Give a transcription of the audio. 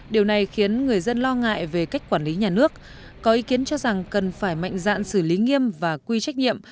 điều này khiến người dân lo ngại về cách quản lý nhà nước có ý kiến cho rằng cần phải mạnh dạn xử lý nghiêm và quy trách nhiệm